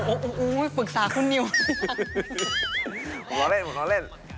โอ้โฮฝึกษาคุณนิวผมล้อเล่น